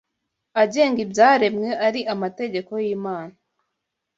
agenga ibyaremwe ari amategeko y’Imana